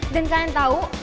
dan kalian tau